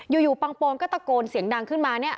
อยู่ปังโปนก็ตะโกนเสียงดังขึ้นมาเนี่ย